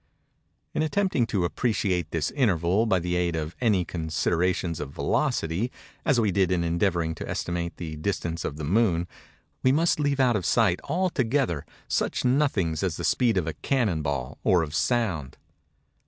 In attempting to appreciate this interval by the aid of any considerations of velocity, as we did in endeavoring to estimate the distance of the moon, we must leave out of sight, altogether, such nothings as the speed of a cannon ball, or of sound.